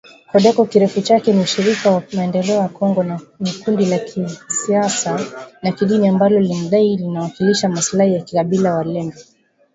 CODECO kirefu chake ni Ushirika kwa Maendeleo ya Kongo ni kundi la kisiasa na kidini ambalo linadai linawakilisha maslahi ya kabila la walendu